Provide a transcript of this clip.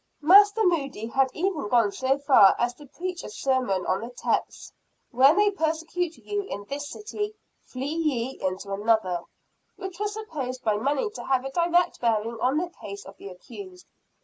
Master Moody had even gone so far as to preach a sermon on the text, 'When they persecute you in this city, flee ye into another,' which was supposed by many to have a direct bearing on the case of the accused.